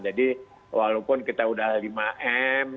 jadi walaupun kita udah lima m